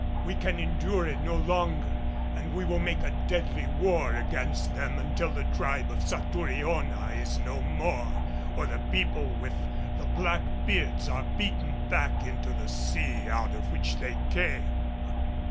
We can endure it no longer, and we shall make a deadly war against them until the tribe of Satouriona is no more or the people with the black beards are beaten back into the sea out of which they came."